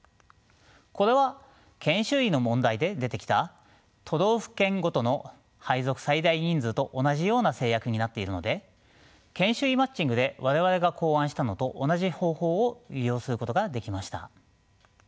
これは研修医の問題で出てきた都道府県ごとの配属最大人数と同じような制約になっているので研修医マッチングで我々が考案したのと同じ方法を利用することができました。